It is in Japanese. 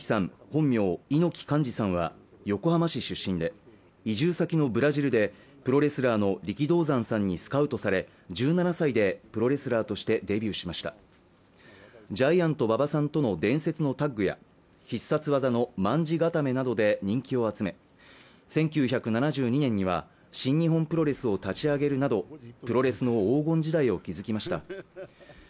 本名猪木寛至さんは横浜市出身で移住先のブラジルでプロレスラーの力道山さんにスカウトされ１７歳でプロレスラーとしてデビューしましたジャイアント馬場さんとの伝説のタッグや必殺技の卍固めなどで人気を集め１９７２年には新日本プロレスを立ち上げるなどプロレスの黄金時代を築きました